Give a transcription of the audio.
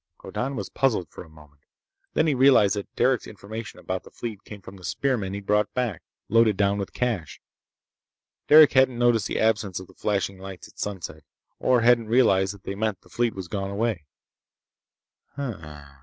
Hoddan was puzzled for a moment. Then he realized that Derec's information about the fleet came from the spearmen he'd brought back, loaded down with cash. Derec hadn't noticed the absence of the flashing lights at sunset—or hadn't realized that they meant the fleet was gone away.